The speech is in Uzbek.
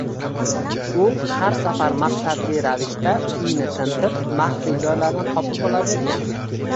u har safar maqsadli ravishda uyni tintib, maxfiy joylarni topib olavergan.